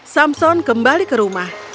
samson kembali ke rumah